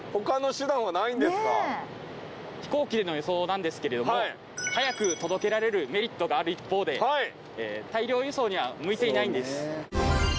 飛行機での輸送なんですけれども早く届けられるメリットがある一方で大量輸送には向いていないんです。